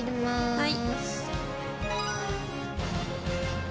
はい。